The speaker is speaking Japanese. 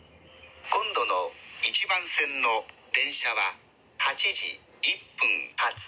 今度の１番線の電車は８時１分発。